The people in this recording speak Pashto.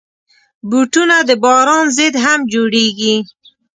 بوټونه د باران ضد هم جوړېږي.